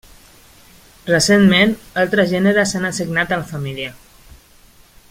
Recentment, altres gèneres s'han assignat a la família.